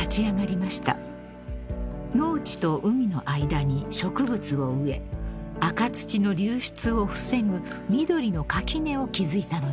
［農地と海の間に植物を植え赤土の流出を防ぐ緑の垣根を築いたのです］